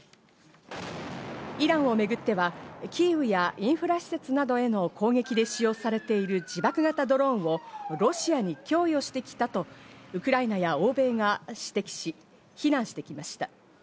イランをめぐってはキーウやインフラ施設などへの攻撃で使用されている自爆型ドローンをロシアに供与してきたとウクライナや欧米が指摘し、非難してきました。